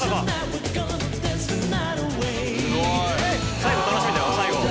最後楽しみだよ。